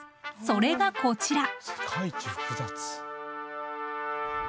それがこちら！